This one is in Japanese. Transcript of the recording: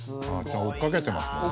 追っかけてますもんね。